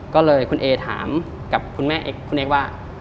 ก็เลยคุณเอถามกับคุณแม่คุณเอ็กซ์ว่า